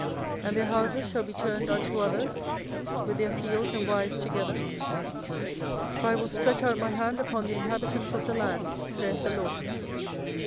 24:006:012 And their houses shall be turned unto others, with their fields and wives together: for I will stretch out my hand upon the inhabitants of the land, saith the LORD.